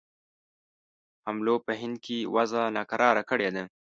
حملو په هند کې وضع ناکراره کړې ده.